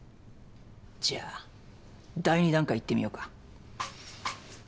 じゃあ第２段階いってみようか。